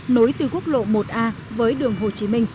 nối từ quốc lộ một a với đường hồ chí minh